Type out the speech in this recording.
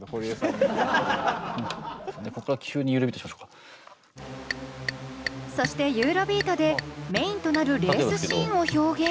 俺そしてユーロビートでメインとなるレースシーンを表現。